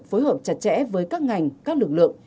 phối hợp chặt chẽ với các ngành các lực lượng